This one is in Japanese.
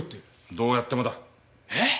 どうやってもだ。えっ！？